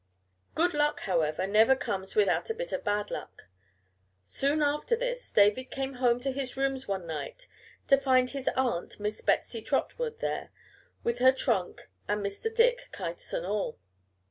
Good luck, however, never comes without a bit of bad luck. Soon after this David came home to his rooms one night to find his aunt, Miss Betsy Trotwood, there, with her trunk and Mr. Dick, kites and all.